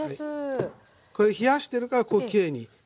これは冷やしてるからこうきれいになるんですね。